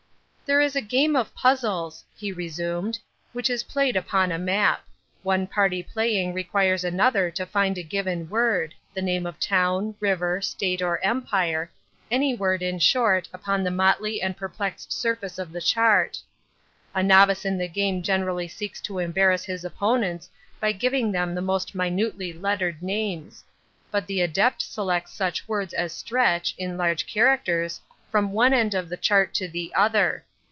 "There is a game of puzzles," he resumed, "which is played upon a map. One party playing requires another to find a given word—the name of town, river, state or empire—any word, in short, upon the motley and perplexed surface of the chart. A novice in the game generally seeks to embarrass his opponents by giving them the most minutely lettered names; but the adept selects such words as stretch, in large characters, from one end of the chart to the other.